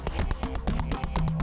bisti saram lu